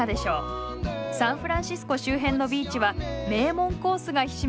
サンフランシスコ周辺のビーチは名門コースがひしめく